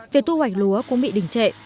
việc tu hoạch lúa cũng bị đỉnh trệ